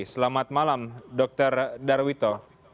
selamat malam dr darwito